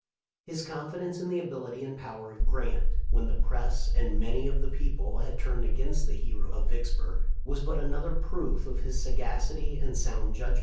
His confidence in the ability and power of Grant, when the press and many of the people had turned against the hero of Vicks burg, was but another proof of his sagacity and sound judgment.